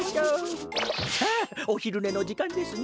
さあおひるねのじかんですね。